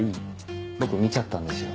僕見ちゃったんですよ。